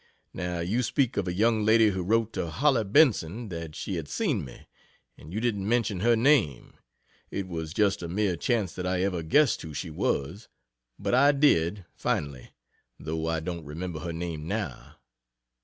Now you speak of a young lady who wrote to Hollie Benson that she had seen me; and you didn't mention her name. It was just a mere chance that I ever guessed who she was but I did, finally, though I don't remember her name, now.